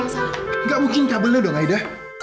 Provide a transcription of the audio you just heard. tidak mungkin kabelnya aida